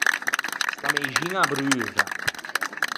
Sta meixiña a bruxa.